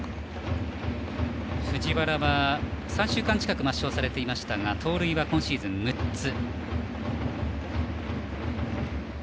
藤原は３週間近く抹消されていましたが盗塁は今シーズン６つ。